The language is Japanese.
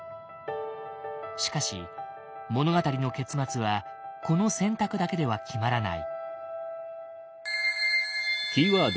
しかし物語の結末はこの選択だけでは決まらない。